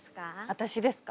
私ですか？